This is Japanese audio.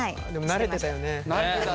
慣れてたね。